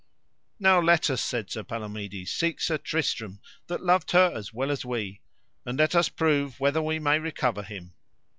Now let us, said Sir Palomides, seek Sir Tristram, that loved her as well as we, and let us prove whether we may recover him.